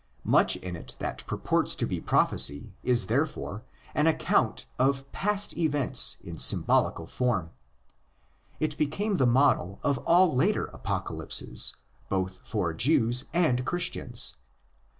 Much in it that purports to be prophecy is therefore an account of past events in symbolical form. It became the model of all later apocalypses, both for Jews and Christians.